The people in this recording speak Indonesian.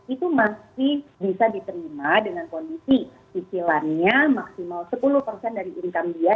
itu masih bisa diterima dengan kondisi cicilannya maksimal sepuluh dari income dia